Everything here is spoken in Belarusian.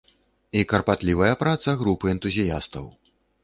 І карпатлівая праца групы энтузіястаў.